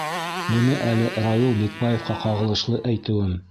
Быны әле Рауил Бикбаевҡа ҡағылышлы әйтеүем.